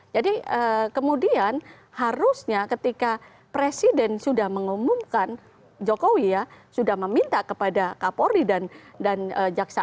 jadi kemudian harusnya ketika presiden sudah mengumumkan jokowi ya sudah meminta kepada kapolri dan jaksa agung untuk segera meminta